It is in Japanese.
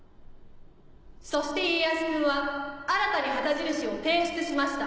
そして家康君は新たに旗印を提出しました。